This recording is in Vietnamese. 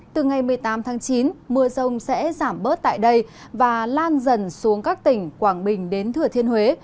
từ ngày một mươi tám tháng chín mưa rông sẽ giảm bớt tại đây và lan dần xuống các tỉnh quảng bình đến thừa thiên huế